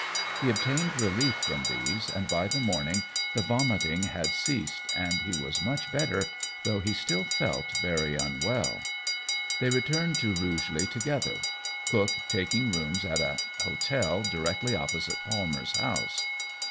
He obtained relief from these, and by the morning the vomiting had ceased, and he was much better, though he still felt very unwell. They returned to Rugeley together, Cook taking rooms at an hotel directly opposite Palmer's house.